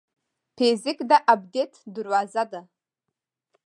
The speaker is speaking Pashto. فزیک د ابدیت دروازه ده.